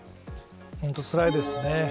本当につらいですね。